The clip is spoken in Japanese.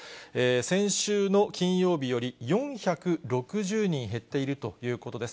先週の金曜日より４６０人減っているということです。